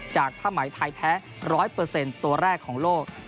ผ้าไหมไทยแท้๑๐๐ตัวแรกของโลก